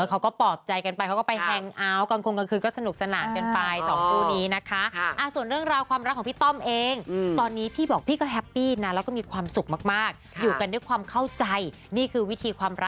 เออก็มีแต่ความรักให้กันก็พอแล้วนะคะ